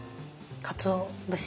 かつお節。